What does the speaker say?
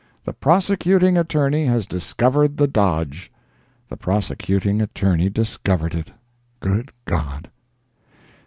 "The Prosecuting Attorney has discovered the dodge"—the Prosecuting Attorney discovered it! Good God!